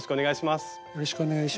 よろしくお願いします。